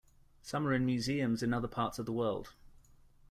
Some are in museums in other parts of the world.